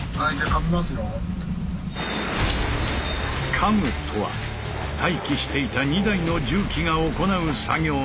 「かむ」とは待機していた２台の重機が行う作業のこと。